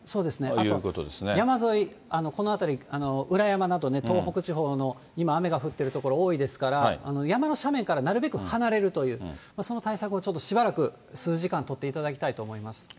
あと、山沿い、この辺り、裏山などね、東北地方の今、雨が降ってる所、多いですから、山の斜面からなるべく離れるという、その対策をちょっとしばらく、数時間取っていただきたいと思います。